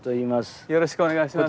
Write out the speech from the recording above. よろしくお願いします。